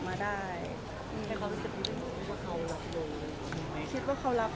สวัสดีคุณครับ